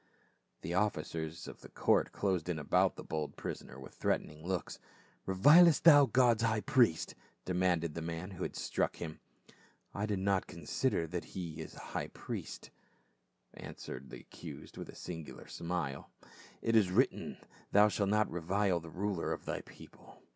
The officers of the court closed in about the bold prisoner with threatening looks. " Revilest thou God's high priest ?" demanded the man who had struck him. *' I did not consider that he is a high priest," answered the accused with a singular smile, "it is written thou shalt not revile the ruler of thy people."